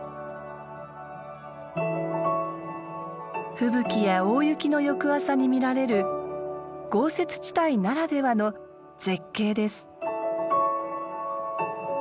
吹雪や大雪の翌朝に見られる豪雪地帯ならではの絶景です。